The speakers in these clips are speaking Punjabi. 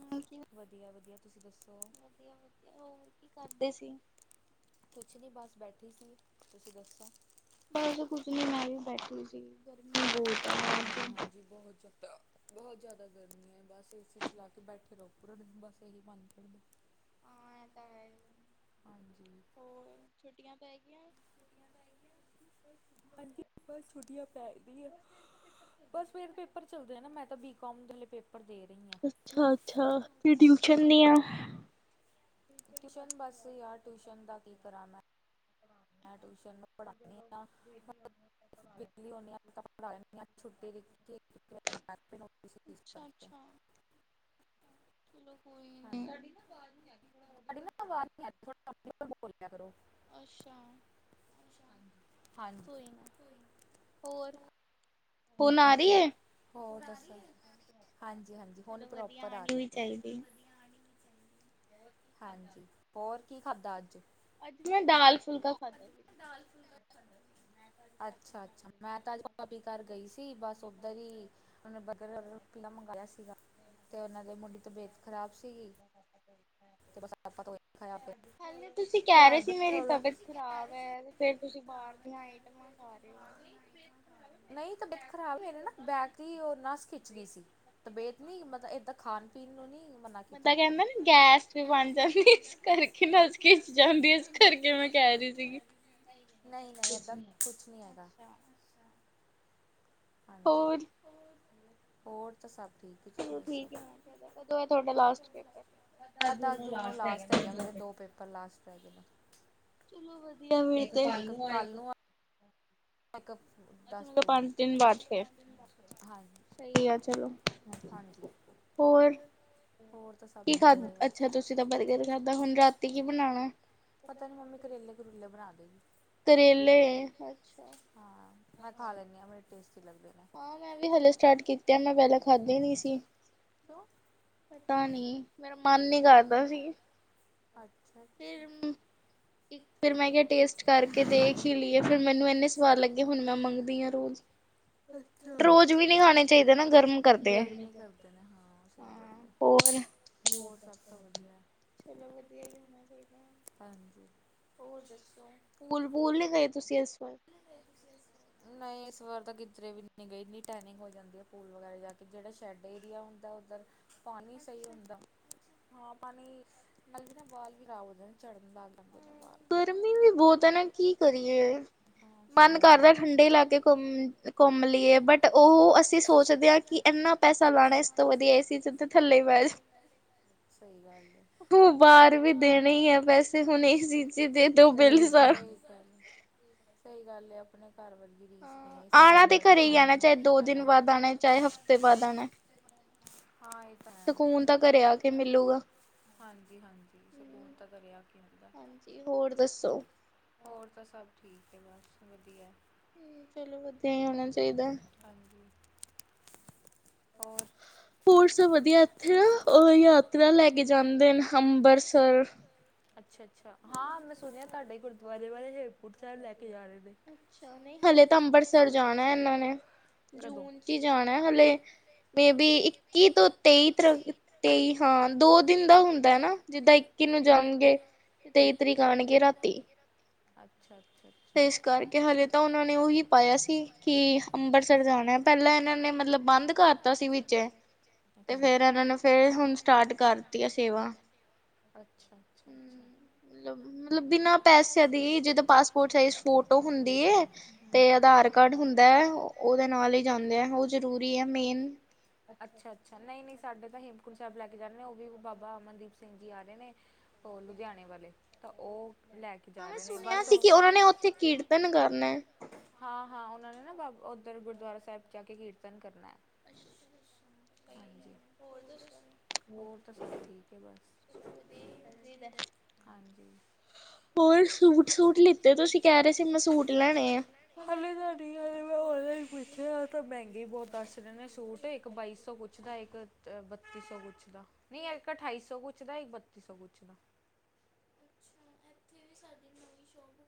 ਹੋ ਕੀ ਵਧੀਆ ਵਧੀਆ ਹੋਰ ਕੀ ਕਰਦੇ ਸੀ ਕੁਛ ਨੀ ਬਸ ਬੈਠੀ ਸੀ ਤੁਸੀਂ ਦੱਸੋ ਬਸ ਕੁੱਝ ਨੀ ਮੈਂ ਵੀ ਬੈਠੀ ਸੀ ਗਰਮੀ ਬਹੁਤ ਹਾਂਜੀ ਹਾਂਜੀ ਬਹੁਤ ਜ਼ਿਆਦਾ ਬਹੁਤ ਜਿਆਦਾ ਗਰਮੀ ਹੈ ਬਸ ਚਲਾ ਕੇ ਬੈਠੇ ਰਹੋ ਪੂਰਾ ਬਸ ਤੇਰੀ ਬੰਦ ਕਰ ਦਿ ਹੋਰ ਛੁੱਟੀਆਂ ਪੈ ਗਈਆਂ ਅੱਛਾ ਅੱਛਾ ਤੇ ਟਿਊਸ਼ਨ ਦੀਆਂ ਟਊਸ਼ਨ ਬਸ ਯਾਰ ਟਿਊਸ਼ਨ ਦਾ ਕੀ ਕਰਾਂ ਮੈਂ ਊਸ਼ਨ ਨੂੰ ਪੜ੍ਹਾਉਣੀ ਹੜ ਛੁੱਟੀ ਤੁਡੀ ਨਾ ਆਜ਼ ਕੰਨੀਲਿਆ ਕਰੋ ਅੱਛਾ ਕੋਈ ਨਾ ਹੋਰ ਹੋਰ ਦੱਸ ਹਾਂਜੀ ਹਾਂਜੀ ਹੁਣ ਪ੍ਰੋਪਰ ਆ ਰਹੀ ਹੈ ਹਾਂਜੀ ਹੋਰ ਕੀ ਖਾਦਾ ਅੱਜ ਅਜ ਦਾਲ ਅੱਛਾ ਅੱਛਾ ਮੈਂ ਤਾਂ ਅੱਜ ਪਾਪੀ ਘਰ ਗਈ ਸੀ ਬਸ ਉਓਧਰ ਹੀ ਉਹਨੇ ਬੀਲਾ ਮੰਗਵਾਆ ਸੀਗਾ ਤੇ ਉਹਨਾਂ ਦੇ ਮੁੰਡੀ ਤਬੀਅਤ ਖ਼ਰਾਬ ਸੀਗੀ ਹਾਂਜੀ ਤੁਸੀਂ ਕਹਿ ਰਹੇ ਸੀ ਮੇਰੀ ਤਬੀਅਤ ਖਰਾਬ ਹੈ ਫਿਰ ਤੁਸੀਂ ਬਾਹਰ ਦੀਆਂ ਆਈਟਮਾਂ ਖਾ ਰਹੇ ਹੋ ਬਦਾ ਕਹਿੰਦਾ ਨੀ ਗੈਸ ਵੀ ਬਣ ਜਾਂਦੀ ਕਰਕੇ ਨਾ ਹਾਂਜੀ ਹੋਰ ਤਾਂ ਸਭ ਠੀਕ ਤੁਸੀਂ ਦੱਸੋ ਦਸ ਜੂਨ ਨੂੰ ਲਾਸਟ ਹੈ ਮੇਰੇ ਦੋ ਪੇਪਰ ਲਾਸਟ ਹੈਗੇ ਨੇ ਚਲੋ ਵਧੀਆ ਮਿਲ ਇੱਕ ਦਸ ਜੂਨ ਨੂੰ ਹ ਹਾਂਜੀ ਹੋਰ ਤਾਂ ਸਭ ਠੀਕ ਬਸ ਪਤਾ ਨੀ ਮੰਮੀ ਕਰੇਲੇ ਕਰੂਲੇ ਬਣਾ ਦੇਗੀ ਤੇਰੇਲੇ ਅ ਮੈਂ ਖ ਲੈਂ ਅੱਛਾਾ ਮੈਨੂੰ ਇੰਨੇ ਸਵਾਦ ਲੱਗੇ ਹੁਣ ਮੈਂ ਮੰਗਦੀ ਹਾਂ ਰੋਜ਼ ਰੋਜ਼ ਵੀ ਨਹੀਂੀ ਖਾਣੇ ਚਾਹੀਦੇ ਨਾ ਗਰਮ ਕਰਦੇ ਆ ਫੂਲ ਨ ਗਏ ਤੁਸੀਂ [unintelligible] ਨਹੀਂ ਵ ਕਿੱਧਰੇ ਵੀ ਨੀ ਗਈ ਇੰਨੀ ਟੈਨਿੰਗ ਹੋ ਜਾਂਦੀ ਪੂਲ ਵਗੈਰਾ ਜਾ ਕੇ ਜਿਹੜਾ ਸ਼ੈੱਡ ਏਰੀਆ ਹੁੰਦਾ ਉੱਧਰ ਪਾਣੀ ਵੀ ਸਹੀ ਹੁੰਦਾ। ਹਾਂ ਪਾਣੀ ਨਾਲ ਵੀ ਨਾ ਵਾਲ ਵੀ ਖਰਾਬ ਹੋ ਜਾਦੇ ਝੜ੍ਹਦੇ [unintelligible] ਮਨ ਕਰਦਾ ਠੰਡੇ ਇਲਾਕੇ ਘੁੰਮ ਘੁੰਮ ਲਈਏ ਬਟ ਉਹ ਅਸੀਂ ਸੋਚਦੇ ਹਾਂ ਕਿ ਇਨਾ ਪੈਸਾ ਲਾਣਾ ਇਸ ਤੋਂ ਵਧੀਆ ਇਸ ਚੀਜ਼ ਦੇ ਥੱਲੇ ਬੈ ਜਾ ਉਹ ਬਾਹਰ ਵੀ ਦੇਣੇ ਹੀ ਹੈ ਪੈਸੇ। ਤੇ ਹੁਣ ਇਸ ਚੀਜ਼ ਦੇ ਦਿਓ ਬੇਲ ਸਾਰ ਸਹੀ ਗਾਲੇ ਆਪਣੇ ਘਰ ਵਰਗੀ ਰੀਸ ਏ ਚ ਬੈਠ ਜੋ ਮਰਜੀ ਖਣਾ ਹਾਂ ਇਹ ਤਾਂ ਹੈ ਹਾਂਜੀ ਹਾਂਜੀ ਸਕੂਨ ਤਾਂ ਤਾਂ ਰਿਹਾ ਕੀ ਹਦਾ ਹੋਰ ਤਾਂ ਸਭ ਠੀਕ ਹੈ ਬਸ ਵਧੀਆ। ਹੂੰ ਚਲੋ ਵਧੀਆ ਹੀ ਹੋਣਾ ਚਾਹੀਦਾ। ਹੋਰ ਹੋਰ ਸਭ ਵਧੀਆ ਇਥੇ ਨਾ ਯਾਤਰਾ ਲੈ ਕੇ ਜਾਂਦੇ ਨੇ ਅੰਬਰਸਰ ਤੁਹਾਡੇ ਗੁਰਦੁਆਰੇ ਵਾਲੇ [unintelligible] [unintelligible] [unintelligible] ਅੱਛਾ ਅੱਛਾ ਅੱਛਾ। ਪੋਰਟ ਫੋਟੋ ਹੁੰਦੀ ਹੈ ਤੇ ਅਧਾਰ ਕਾਰਡ ਹੁੰਦਾ ਹੈ ਉਹ ਓਦੇ ਨਾਲ ਹੀ ਜਾਂਦੇ ਆ ਉਹ ਜਰੂਰੀ ਆ ਮੇਨ ਸਾਡੇ ਤਾਂ ਹੇਮਕੁੰਟ ਸਾਹਿਬ ਲੈ ਕੇ ਜਾ ਰਹੇ ਨੇ ਉਹ ਵੀ ਬਾਬਾ ਅਮਨਦੀਪ ਸਿੰਘ ਜੀ ਆ ਰਹੇ ਨੇ ਉਹ ਲੁਧਿਆਣੇ ਵਾਲੇ ਤਾਂ ਉਹ ਲੈ ਕੇ ਜਾ ਰਹੇ ਨੇ ਬਸ ਉਹ ਉਹਨਾ ਨੇ ਉੱਥੇ ਕੀਰਤਨ ਕਰਨਾ ਉਹਨਾਂ ਨੇ ਨਾ ਬਾਬ ਉਓਧਰ ਗੁਰਦੁਆਰਾ ਸਾਹਿਬ ਜਾ ਕੇ ਕੀਰਤਨ ਕਰਨਾ ਅੱਛਾ ਅੱਛਾ ਹੋਰ ਸੂਟ ਸੂਟ ਲਿੱਤੇ ਹਾਲੇ ਤਾਂਹਾਡੀ ਆ ਮੈਂ ਹੋ ਵੀ ਪੁੱਛਿਆ ਐ। ਮਹਿੰਗੇ ਬਹੁਤ ਦੱਸ ਰਹੇ ਨੇ ਸੂਟ ਇੱਕ ਬਾਈ ਸੌ ਕੁਛ ਦਾ ਇੱਕ ਬਤੀ ਸੌ ਕੁਛ ਦਾ ਨ ਇੱਕ ਅਠਾਈ ਸੌ ਕੁਛ ਦਾ ਇੱਕ ਬੱਤੀ ਸੌ ਕੁਛ ਦਾ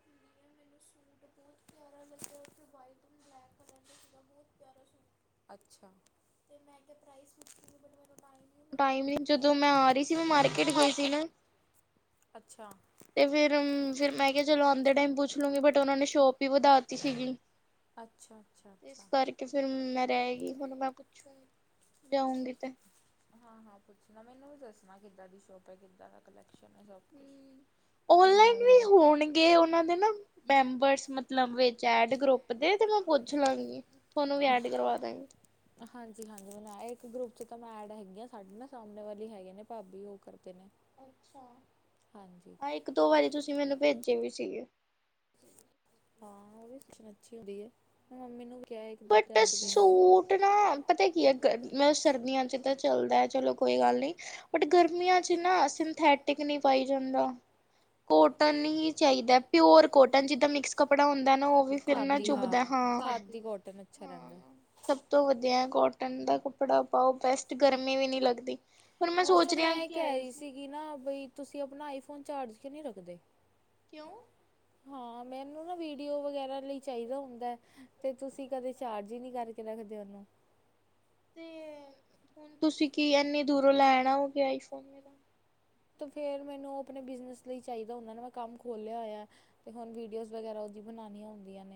[unintelligible] ਟਾਈਮ ਨਹੀਂ ਜਦੋਂ ਮੈਂ ਆ ਰਹੀ ਸੀ ਮੈਂ ਮਾਰਕੀਟ ਗਈ ਸੀ ਨਾ ਤੇ ਫਿਰ ਫਿਰ ਮੈਂ ਕਿਹਾ ਚਲੋ ਆਉਂਦੇ ਟਾਈਮ ਪੁੱਛ ਲੂਗੀ ਬਟ ਉਹਨਾਂ ਨੇ ਸ਼ੋਪ ਵੀ ਵਧਾਤੀ ਸੀਗੀ ਤੇ ਇਸ ਕਰਕੇ ਫਿਰ ਮੈਂ ਰਹਿਗੀ ਹੁਣ ਮੈਂ ਪੁੱਛੂਗੀ ਜਾਊਗੀ ਤੇ ਹਾਂ ਹਾਂ ਪੁੱਛਣਾ ਮੈਨੂੰ ਵੀ ਦੱਸਣਾ ਕਿੱਦਾਂ ਦੀ ਸ਼ੋਪ ਹੈ ਕਿੱਦਾਂ ਦਾ ਕਲੈਕਸ਼ਨ ਹੈ ਓਨਲਾਈਨ ਵੀ ਹੋਣਗੇ ਉਹਨਾਂ ਦੇ ਨਾ ਮੈਂਬਰਸ ਮਤਲਬ ਐਡ ਗਰੁੱਪ ਦੇ ਤੇ ਮੈਂ ਪੁੱਛ ਲਾਂਗੀ ਤੁਹਾਨੂੰ ਵੀ ਐਡ ਕਰਵਾ ਦਗੀ ਗਰੁੱਪ ਚ ਤਾਂ ਮੈਂ ਐਡ ਹੈਗੀ ਹਾਂ ਸਾਡੇ ਨਾ ਸਾਹਮਣੇ ਵਾਲ ਹੀ ਹੈਗੇ ਨੇ ਭਾਬੀ ਉਹ ਕਰਕੇ ਕਿਨ ਆਾਂ ਇੱਕ ਦੋ ਵਾਰੀ ਤੁਸੀਂ ਮੈਨੂੰ ਭੇਜੇ ਵੀ ਸੀਗੇ ਅੱਛਾ ਹਾਂ ਉਹ ਵੀ ਸੱਚੀ ਨ ਅੱਚੀ ਹੁੰਦੀ ਹੈ ਮੰਮੀ ਨੂੰ ਵੀ ਬਟ ਸੂਟ ਨਾ ਪਤਾ ਕੀ ਹੈ ਮਤਬ ਸਰਦੀਆਂ ਚ ਤਾਂ ਚੱਲਦਾ ਹੈ ਚਲੋ ਕੋਈ ਗੱਲ ਨਹੀਂ ਬਟ ਗਰਮੀਆਂ ਚ ਨਾ ਸਿੰਥੈਟਿਕ ਨਹੀਂ ਪਾਈ ਜਾਂਦਾ ਕੋਟਨ ਹੀ ਚਾਹੀਦਾ ਹੋਰ ਕੋਟਨ ਜਿੱਦਾਂ ਮਿਕਸ ਕੱਪੜਾ ਹੁੰਦਾ ਨਾ ਉਹ ਵੀ ਫਿਰ ਨਾ ਚੁੱਭਦਾ ਹਾਂ ਹ ਅੱਛਾ ਮੈਂ ਇਹ ਕਹਿ ਰਹੀ ਸੀਗੀ ਨਾ ਬਈ ਤੁਸੀਂ ਆਪਣਾ ਫੋਨ ਚਾਰਜ ਕੇ ਨਹੀਂੀ ਰੱਖਦੇ ਕਿਉਂ ਹਾਂ ਮੈਨੂੰ ਨਾ ਵੀਡੀਓ ਵਗੈਰਾ ਲਈ ਚਾਹੀਦਾ ਹੁੰਦਾ ਤੇ ਤੁਸੀਂ ਕਦੇ ਚਾਰਜ ਹੀ ਨਹੀਂ ਕਰਕੇ ਰੱਖਦੇ ਉਹਨੂੰ ਹੁਣ ਤੁਸੀਂ ਕੀ ਐੰਨੀ ਦੂਰੋਂ ਲੈਣਾ ਹੋਗੇ ਆਈਫੋਨ ਮੇਰਾ ਫਿਰ ਮੈਨੂੰ ਉਹ ਆਪਣੇ ਬਿਜ਼ਨਸ ਲਈ ਚਾਹੀਦਾ ਹੁੰਦਾ ਨਾ ਮੈਂ ਕੰਮ ਖੋਲ੍ਹਿਆ ਹੋਇਆ ਅਤੇ ਹੁਣ ਵੀਡੀਓਜ਼ ਵਗੈਰਾ ਉਹਦੀ ਬਣਾਉਉਣੀਆਂ ਹੁੰਦੀਆਂ [inaudible]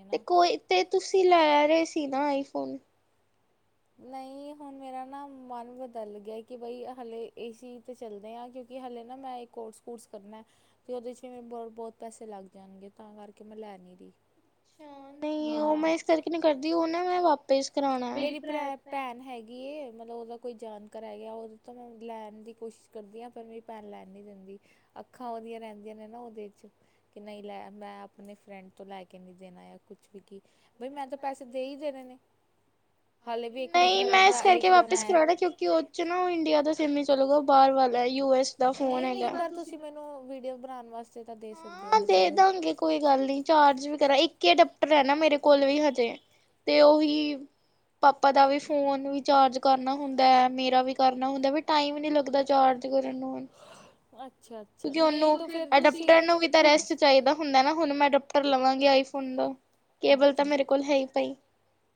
ਨਹੀਂ ਹੁਣ ਮੇਰਾ ਨਾ ਮਨ ਬਦਲ ਗਿਆ ਕਿ ਬਈ ਹਲੇੇ ਏਸੀ ਤਾਂ ਚੱਲਦੇ ਹਾਂ ਕਿਉਂਕਿ ਕਿ ਹਲੇ ਨਾ ਮੈਂ ਇੱਕ ਕੋਰਸ ਕਰਸ ਕਰਨਾ ਤੇ ਉਹਦੇ ਚ ਵੀ ਮ ਬਹੁਤ ਬਹੁਤ ਪੈਸੇ ਲੱਗ ਜਾਣਗੇ ਤਾਂ ਕਰਕੇ ਮੈਂ ਲੈ ਨੀ ਰਹੀ ਅੱਛਾ ਨਹੀਂ ਉਹ ਮੈਂ ਇਸ ਕਰਕੇ ਨਹੀਂ ਕਰਦੀ ਉਹ ਨਾ ਮੈਂ ਵਾਪਿਸ ਕਰਾਉਣਾ ਕੋਈ ਜਾਣਕਾਰ ਹੈ ਗਿਆ ਉਹਦੇ ਤੋਂ ਮੈਂ ਲੈਣ ਦੀ ਕੋਸ਼ਿਸ਼ ਕਰਦੀ ਹਾਂ ਪਰ ਮੇਰੀ ਪੈਨ ਲੈਣੀ ਦਿੰਦੀ ਅੱਖਾਂ ਉਹਦੀਆਂ ਰਹਿੰਦੀਆਂ ਨੇ ਨਾ ਉਹਦੇ ' ਕਿ ਨਹੀਂ ਲੈ ਮੈਂ ਆਪਣੇ ਫਰੈਂਡ ਤੋਂ ਲੈ ਕੇ ਨਹੀਂੀ ਦੇਣਾ ਆ ਕੁਛ ਵੀ ਨਹੀਂ ਮੈਂ ਇਸ ਕਰਕੇ ਵਾਪਿਸ ਕਰਾਣਾ ਕਿਉਂਕਿ ਉਹ ਚ ਨਾ ਇੰਡੀਆ ਦਾ ਸੇਮ ਚੱਲੂਗਾ ਬਾਹਰ ਵਾਲਾ ਯੂ ਐਸ ਦਾ ਨਹੀਂ ਨਹੀਂ ਪਰ ਤੁਸੀਂ ਮੈਨੂੰ ਵੀਡੀਓ ਬਣਾਉਣ ਵਾ ਹਾਂ ਦੇ ਦਾਂਗੇ ਕੋਈ ਗੱਲ ਨੀ ਚਾਰਜ ਵੀ ਕਰਾਂ ਇੱਕ ਹੀ ਅਡਪਟਰ ਹੈ ਨਾ ਮੇਰੇ ਕੋਲ ਵੀ ਹਜੇ ਤੇ ਉਹੀ ਪਾਪਾ ਦਾ ਵੀ ਫੋਨ ਵੀ ਚਾਰਜ ਕਰਨਾ ਹੁੰਦਾ ਹੈ ਮੇਰਾ ਵੀ ਕਰਨਾ ਹੁੰਦਾ ਵੀ ਟਾਈਮ ਨੀ ਲੱਗਦਾ ਚਾਰਜ ਕਰਨ ਨੂੰ ਅੱਛਾ ਅੱਛਾ ਨਹੀਂ ਤਾਂ ਫੇਿਰ ਤੁਸੀਂ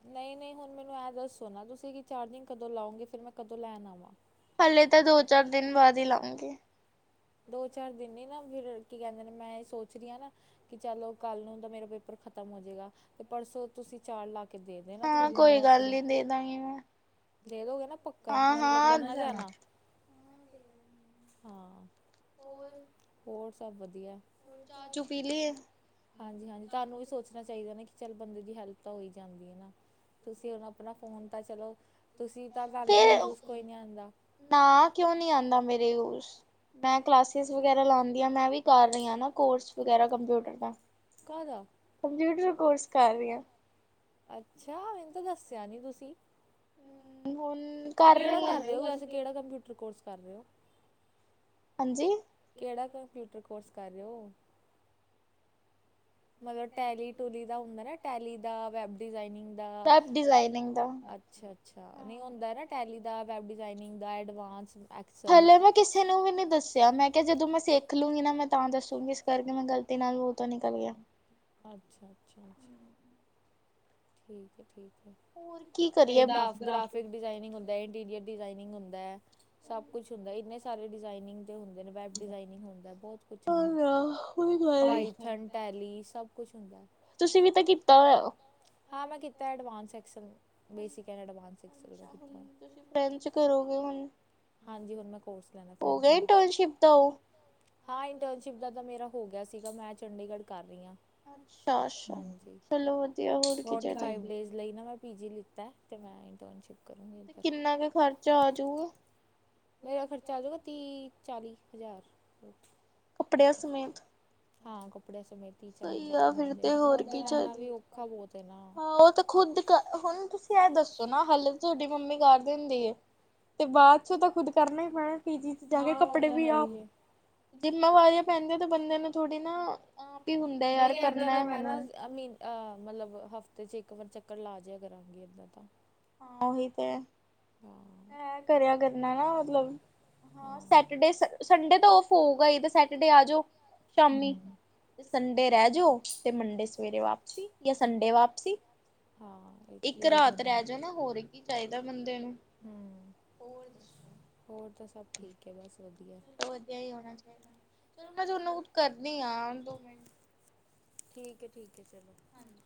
ਨਹੀਂ ਨਹੀਂ ਹੁਣ ਮੈਨੂੰ ਐ ਦੱਸੋ ਨਾ ਤੁਸੀਂ ਚਾਰਜਿੰਗ ਕਦੋਂ ਲਾਉਂਗੇ ਫਿਰ ਮੈਂ ਕਦੋਂ ਲੈਣ ਆਵਾਂ ਹਲੇੇ ਤਾਂ ਦੋ ਚਾਰ ਦਿਨ ਬਾਅਦ ਹੀ ਲਾਉਂਗੇ ਦੋ ਚਾਰ ਦਿਨ ਨ ਨਾ ਫਿਰ ਕੀ ਕਹਿੰਦੇ ਨੇ ਮੈਂ ਇਹ ਸੋਚ ਰਹੀ ਹ ਨਾ ਕਿ ਚਲੋ ਕੱਲ ਨੂੰ ਤਾਂ ਮੇਰਾ ਪੇਪਰ ਖਤਮ ਹੋਜੇਗਾ ਤੇ ਪਰਸੋਂ ਤੁਸੀਂ ਚਾਰ ਲੱਖ ਦੇ ਦੇਣਾ ਥੋੜੀ ਦੇਰ ਵਾਸਤੇ ਦੇ ਦੋਗੇ ਨਾ ਪੱਕਾ ਹੁਣ ਮੁੱਕਰ ਨਾ ਜਾਣਾ ਹੋਰ ਸਭ ਵਧੀਆ ਹਾਂਜੀ ਹਾਂਜੀ ਤੁਹਾਨੂੰ ਵੀ ਸੋਚਣਾ ਚਾਹੀਦਾ ਨਾ ਚੱਲ ਬੰਦੇ ਦੀ ਹੈਲਪ ਤਾਂ ਹੋਈ ਜਾਂਦੀ ਹੈ ਨਾ ਫਿਰ ਨਾ ਕਿਉਂ ਨ ਆਉਂਦਾ ਮੇਰੇ ਉਸ [inaudible] ਮੈਨੂੰ ਤਾਂ ਦੱਸਿਆ ਨੀ ਤੁਸੀਂ ਹਮ ਹੁਣ ਕਰ ਰ ਕਰ ਰਹੇ ਹੋ ਕਿਹੜਾ ਕੰਪਿਊਟਰ ਕੋਰਸ ਕਰਿਓ ਟ ਟੈਲੀ ਦਾ ਵੈਬ ਡਿਨਗ ਦਾੁੰ ਟ ਦਾ ਵੈਬ ਡਿਗ ਦਾ ਹਲੇ ਮੈਂ ਕਿਸੇ ਨੂੰ ਵੀ ਨੀ ਦੱਸਿਆ ਮੈਂ ਕਿਹਾ ਜਦੋਂ ਮੈਂ ਸਿੱਖ ਲੂੰਗੀ ਨਾ ਮੈਂ ਤਾਂ ਦੱਸੂਗੀ ਇਸ ਕਰਕੇ ਮੈਂ ਗ਼ਲਤੀ ਨਾਲ ਉਹ ਤੋਂ ਨਿਕਲ ਗਿਆ ਅੱਛਾ ਅੱਛਾ ਅ ਠੀਕ ਹੈ ਗ੍ਰਫਿਕ ਡਿਜ਼ਾਇਨਿੰਗ ਹੁੰਦਾ ਇੰਰੀਅਰ ਡਿਜ਼ਾਇਨਿੰਗ ਹੁੰਦਾ ਸਬ ਕੁਛ ਹੁੰਦਾ ਇੰਨੇ ਸਾਰੇ ਡਿਜ਼ਾਇਨਿੰਗ ਦੇ ਹੁੰਦੇ ਵੈਬ ਡਿਜ਼ਾਇਨਿੰਗ ਹੁੰਦਾ ਬਹੁਤ ਕੁਛ ਨੇ ਪਥ ਟੈਲੀ ਸਭ ਕੁਛ ਹੁੰਦਾ ਹਾਂ ਮੈਂ ਕੀਤਾ ਐਡਵਾਂਸ ਐਕਸਲ ਨੂੰ ਦਾੇਰਾ ਹੋ ਸੀ ਚੰਡੀਗੜ੍ਹ ਘ ਅੱਛਾ ਅੱਛਾ ਚਲੋ ਵਧੀਆ ਹੋਰ ੈਂ ਪੀਤਾ ਤੇ ਮੈਂ ਕਰਗੀ ਮੇਰਾ ਖਰਚਾ ਚਾਲੀ ਹਜ਼ਾਰ ਕੱਪੜਿਆਂ ਸਮੇਤ ਹਾਂ ਕੱਪੜੇ ੇ ਤੀਹ ਚਾਲੀ ਹਜ਼ਾਰ ਰੁਪਇ ਆ ਜਾਏਗਾ ਉੱਧਰ ਰਹਿ ਵੀ ਔਖਾ ਬਹੁਤ ਹਾਂ ਉਹ ਤਾਂ ਖੁੱਦ ਕ ਹੁਣ ਤੁਸੀਂ ਇਹ ਦੱਸੋ ਨਾ ਹਾਲਤ ਤੁਹਾਡੀ ਮੰਮੀ ਕਰਦੀ ਹੁੰਦੀ ਹੈ ਤੇ ਬਾਅਦ ਚ ਉਹ ਤਾਂ ਖੁਦ ਕਰਨਾ ਹੀ ਪੈਣਾ ਪੀਜੀੀ ਚੀਜ਼ਾਂਗੇ ਕੱਪੜੇ ਵੀ ਆ ਜਿੰਮੇਵਾਰੀਆਂ ਪੈਂਦੀਆਂ ਤੇ ਬੰਦੇ ਨੂੰ ਥੋੜ੍ਹੀ ਨਾ ਨਹੀਂ ਏਦਾਂ ਤਾਂ ਮੈਂ ਨਾ ਅਮੀਨ ਅਹ ਮਤਲਬ ਹਫ਼ਤੇ ਚ ਇੱਕ ਵਾਰ ਚੱਕਰ ਲਾ ਜਿਆ ਕਰਾਂਗੇ ਇੱਦਾਂ ਤਾਂ ਡੇਡੇ ਰਹਿਡ ਸ ਡੇ ਵਾਪਸੀ ਇੱਕ ਰਾਤ ਰਹਿ ਹੋਰ ਕੀ ਚਾਹੀਦਾ ਬੰਦੇ ਨੂੰ ਹੋਰ ਦੱਸੋ ਤਾਂ ਸਭ ਠੀਕ ਹੈ ਬਸ ਚਲੋ ਵਧੀਆ ਹੀ ਹੋਣਾ ਚਾਹੀਦਾ ਚਲੋ ਮੈਂ ਤੁਾਨੂੰ ਕੁ ਕਰਨੀ ਆ ਦੋ ਮਿੰਟ ਠੀਕ ਹੈ ਠੀਕ ਹੈ ਚਲ ਹਾਂਜੀ